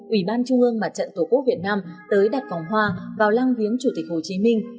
ủy ban trung ương mặt trận tổ quốc việt nam tới đặt vòng hoa vào lăng viếng chủ tịch hồ chí minh